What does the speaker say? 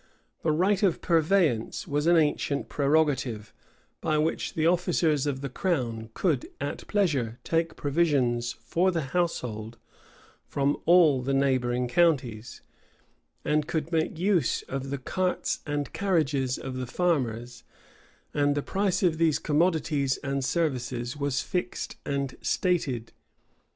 The right of purveyance was an ancient prerogative, by which the officers of the crown could at pleasure take provisions for the household from all the neighboring counties, and could make use of the carts and carriages of the farmers; and the price of these commodities and services was fixed and stated.